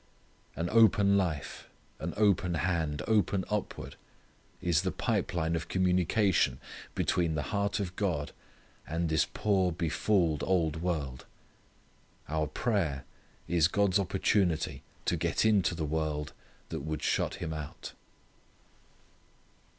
An open life, an open hand, open upward, is the pipe line of communication between the heart of God and this poor befooled old world. Our prayer is God's opportunity to get into the world that would shut Him out.